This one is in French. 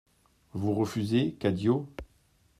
Vous refusez ? CADIO.